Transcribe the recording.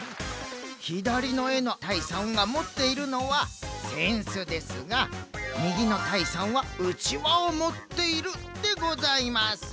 ひだりのえのたいさんがもっているのはせんすですがみぎのたいさんはうちわをもっているでございます。